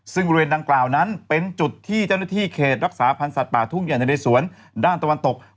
ซึ่งบริเวณดังกล่าวนั้นเป็นจุดที่เจ้าหน้าที่เขตรักษาพันธ์สัตว์ป่าทุ่งใหญ่ในเรสวนด้านตะวันตก